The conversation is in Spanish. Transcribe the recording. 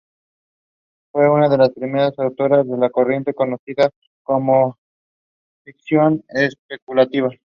Fue una de las primeras autoras de la corriente conocida como ficción especulativa.